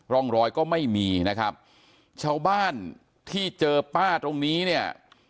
ร่องรอยก็ไม่มีนะครับชาวบ้านที่เจอป้าตรงนี้เนี่ย